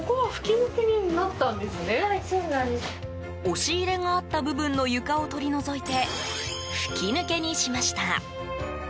押し入れがあった部分の床を取り除いて吹き抜けにしました。